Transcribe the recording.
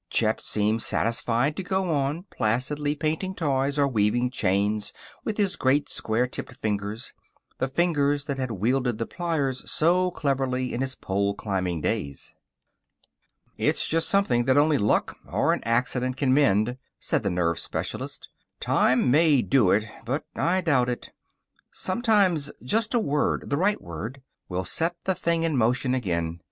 Chet seemed satisfied to go on placidly painting toys or weaving chains with his great, square tipped fingers the fingers that had wielded the pliers so cleverly in his pole climbing days. "It's just something that only luck or an accident can mend," said the nerve specialist. "Time may do it but I doubt it. Sometimes just a word the right word will set the thing in motion again.